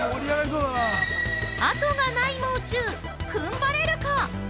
後がない、もう中踏ん張れるか！？